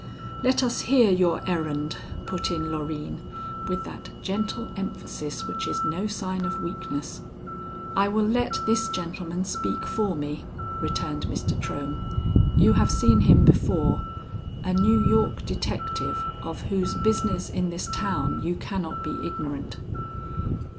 "Let us hear your errand," put in Loreen, with that gentle emphasis which is no sign of weakness. "I will let this gentleman speak for me," returned Mr. Trohm. "You have seen him before a New York detective of whose business in this town you cannot be ignorant."